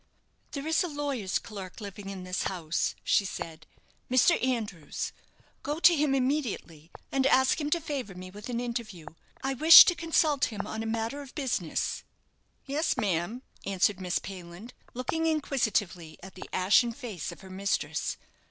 "There is a lawyer's clerk living in this house," she said; "Mr. Andrews. Go to him immediately, and ask him to favour me with an interview. I wish to consult him on a matter of business." "Yes, ma'am," answered Miss Payland, looking inquisitively at the ashen face of her mistress.